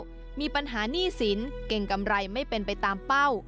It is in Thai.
มีปัญหาหนี้สินเก่งกำไรไม่เป็นไปตามเป้า